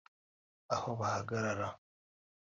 aho bahagarara